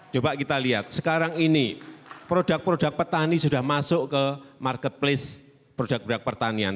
coba kita lihat sekarang ini produk produk petani sudah masuk ke marketplace produk produk pertanian